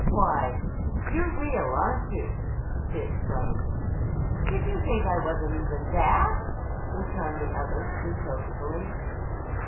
"Why, you're real, aren't you!" she exclaimed. "Did you think I wasn't even that?" returned the other reproachfully.